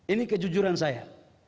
ini kejujuran saya